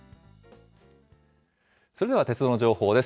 それでは鉄道の情報です。